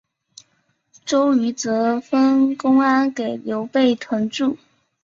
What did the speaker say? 周瑜则分公安给刘备屯驻。